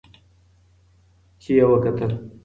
چي یې وکتل